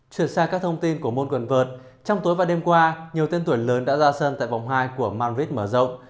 truyền sang các thông tin của môn quần vợt trong tối và đêm qua nhiều tên tuổi lớn đã ra sân tại vòng hai của madrid mở rộng